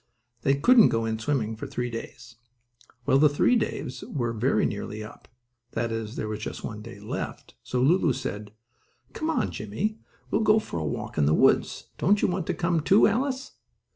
They couldn't go in swimming for three days. Well, the three days were very nearly up; that is there was just one day left, so Lulu said: "Come on, Jimmie, we will go for a walk in the woods. Don't you want to come, too, Alice?"